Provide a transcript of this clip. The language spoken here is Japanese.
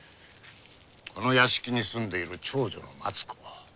この屋敷に住んでいる長女の松子。